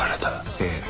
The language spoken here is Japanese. ええ。